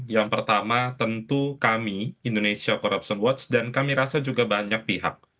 yang pertama tentu kami indonesia corruption watch dan kami rasa juga banyak pihak